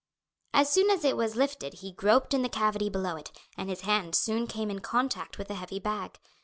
As soon as it was lifted he groped in the cavity below it, and his hand soon came in contact with the heavy bag.